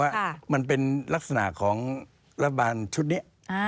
ว่ามันเป็นลักษณะของรัฐบาลชุดนี้